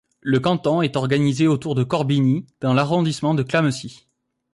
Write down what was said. Le canton est organisé autour de Corbigny, dans l'arrondissement de Clamecy.